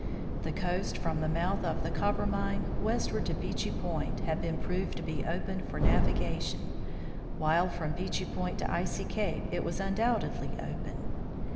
The coast from the mouth of the Copper mine westward to Beechey point had been proved to be open for navigation, while from Beechey point to Icy cape it was undoubtedly open.